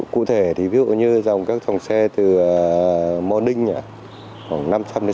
cụ thể thì ví dụ như dòng các dòng xe từ morning khoảng năm trăm linh sáu trăm linh